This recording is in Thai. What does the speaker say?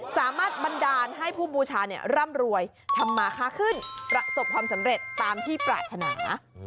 บันดาลให้ผู้บูชาร่ำรวยทำมาค่าขึ้นประสบความสำเร็จตามที่ปรารถนา